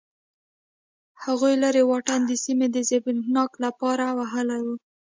هغوی لرې واټن د سیمې د زبېښاک لپاره وهلی و.